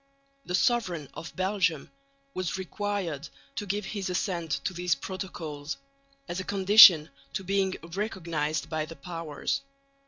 The sovereign of Belgium was required to give his assent to these protocols, as a condition to being recognised by the Powers.